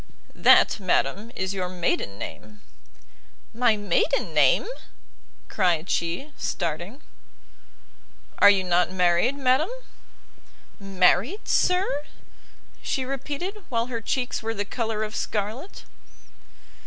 "That, madam, is your maiden name." "My maiden name?" cried she, starting. "Are you not married, madam?" "Married, sir?" she repeated, while her cheeks were the colour of scarlet.